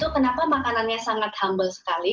kenapa makanan ini sangat humble sekali